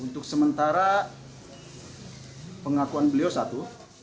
untuk sementara pengakuan beliau satu